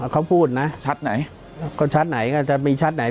เขาพูดนะชัตริ์ไหนก็ชัตริ์ไหนก็จะมีชัตริ์ไหน